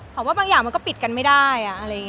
หอมว่าบางอย่างมันก็ปิดกันได้